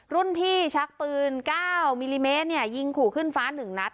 รุ่นพี่ชักปืนเก้ามิลลิเมตรเนี่ยยิงขู่ขึ้นฟ้าหนึ่งนัด